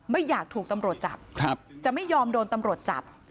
ไม่อยากถูกตำรวจจับจะไม่ยอมโดนตำรวจจับ